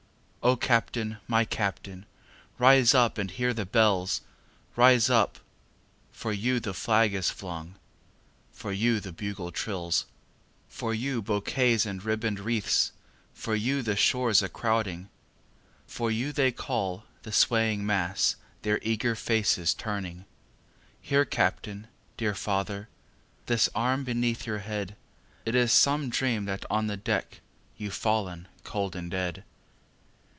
O Captain! my Captain! rise up and hear the bells; Rise up for you the flag is flung for you the bugle trills, For you bouquets and ribbon'd wreaths for you the shores crowding, For you they call, the swaying mass, their eager faces turning; Here, Captain! dear father! This arm beneath your head! It is some dream that on the deck You've fallen cold and dead.